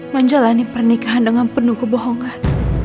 menjalani pernikahan dengan penuh kebohongan